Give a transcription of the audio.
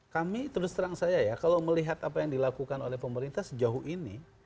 kami terus terang saya ya kalau melihat apa yang dilakukan oleh pemerintah sejauh ini